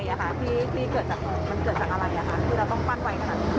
มันไวค่ะมันเกิดจากอะไรค่ะคือเราต้องปั้นไวขนาดนี้